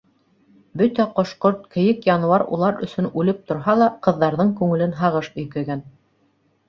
Бөтә ҡош-ҡорт, кейек-януар улар өсөн үлеп торһа ла, ҡыҙҙарҙың күңелен һағыш өйкәгән.